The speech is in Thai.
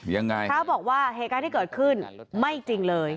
พระพระบอกว่าเฮกาที่เกิดขึ้นไม่จริงเลย